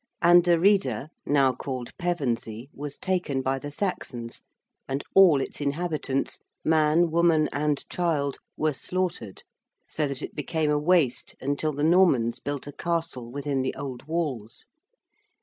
Anderida, now called Pevensey, was taken by the Saxons, and all its inhabitants, man, woman and child, were slaughtered, so that it became a waste until the Normans built a castle within the old walls.